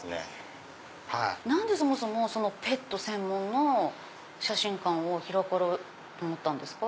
何でそもそもペット専門の写真館を開かれたんですか？